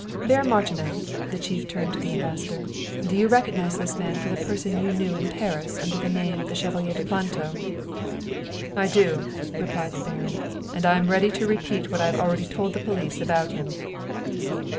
Baron Martinow !" the chief turned to the ambassador, " do you recognize this man for the person you knew in Paris under the name of the Chevalier de Planto ?"" I do," replied the baron. " And I am ready to repeat what I have already told the police about him."